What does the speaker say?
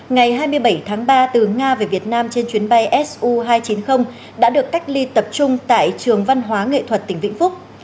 ngày hai mươi bảy tháng ba từ nga về việt nam trên chuyến bay su hai trăm chín mươi đã được cách ly tập trung tại trường văn hóa nghệ thuật tỉnh vĩnh phúc